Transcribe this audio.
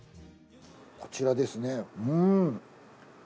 こちらですね。